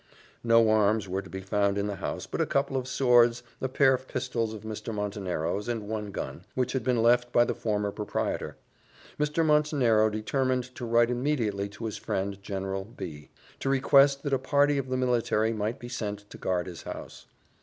No arms were to be found in the house but a couple of swords, a pair of pistols of Mr. Montenero's, and one gun, which had been left by the former proprietor. Mr. Montenero determined to write immediately to his friend General B , to request that a party of the military might be sent to guard his house.